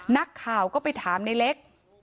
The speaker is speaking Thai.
นักข่าวก็ไปถามในเล็ก